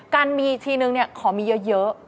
การมีอีกทีนึงขอมีเยอะ